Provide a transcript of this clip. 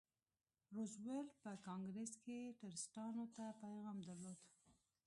روزولټ په کانګریس کې ټرستانو ته پیغام درلود.